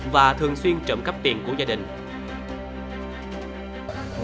bảo một chữ